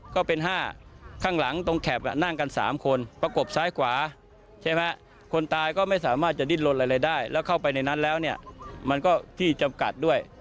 ก็ที่จำกัดด้วย